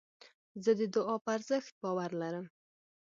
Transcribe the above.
زه د دؤعا په ارزښت باور لرم.